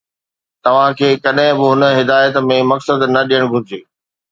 توهان کي ڪڏهن به هن هدايت ۾ مقصد نه ڏيڻ گهرجي.